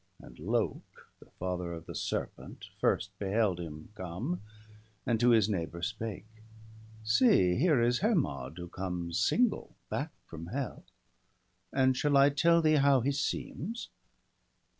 And Lok, the father of the serpent, first Beheld him come, and to his neighbour spake :—' See, here is Hermod, who comes single back From Hell; and shall I tell thee how he seems?